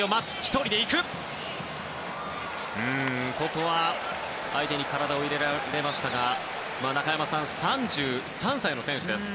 ここは相手に体を入れられましたが中山さん、３３歳の選手です。